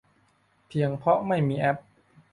เพียงเพราะไม่มีแอป